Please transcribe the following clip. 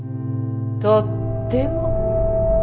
とっても。